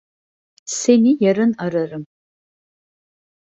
Seni yarın ararım.